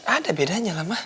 ada bedanya lah ma